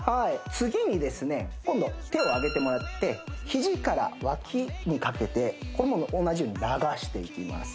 次にですね今度手を上げてもらってヒジから脇にかけてこれも同じように流していきます